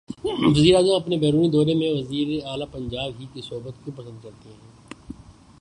وزیراعظم اپنے بیرونی دورے میں وزیر اعلی پنجاب ہی کی صحبت کیوں پسند کرتے ہیں؟